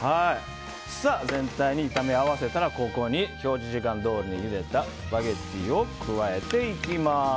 全体に炒め合わせたらここに表示時間どおりにゆでたスパゲティを加えていきます。